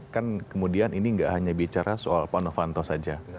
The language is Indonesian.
kan kemudian ini nggak hanya bicara soal pak novanto saja